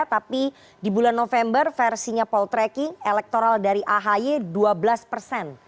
tapi di bulan november versinya poltreking elektoral dari ahy dua belas persen